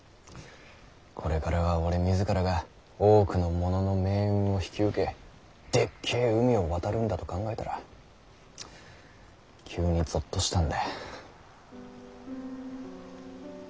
これからは俺自らが多くの者の命運を引き受けでっけぇ海を渡るんだと考えたら急にゾッとしたんだい。